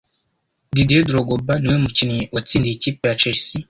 Didier Drogba niwe mu kinnyi wa tsindiye ikipe ya Chelsea